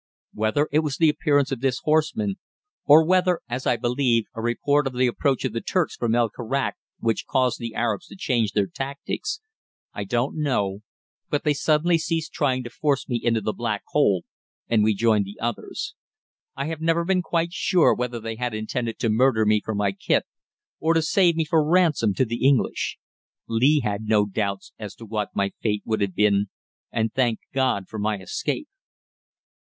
Whether it was the appearance of this horseman, or whether, as I believe, a report of the approach of the Turks from El Karak, which caused the Arabs to change their tactics, I don't know, but they suddenly ceased trying to force me into the black hole, and we joined the others. I have never been quite sure whether they had intended to murder me for my kit, or to save me for ransom to the English. Lee had no doubts as to what my fate would have been, and thanked God for my escape.